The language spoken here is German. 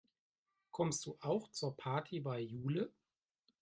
Kommst du auch zur Party bei Jule?